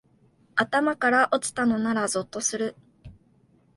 頭から落ちたのならゾッとする